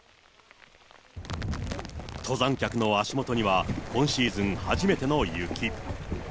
登山客の足元には、今シーズン初めての雪。